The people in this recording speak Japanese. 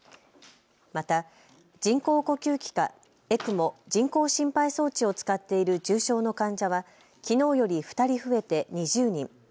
また人工呼吸器かＥＣＭＯ・人工心肺装置を使っている重症の患者はきのうより２人増えて２０人。